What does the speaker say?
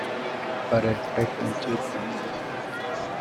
But I expect a judgment.